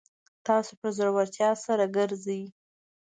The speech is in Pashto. تاسو په زړورتیا سره ګرځئ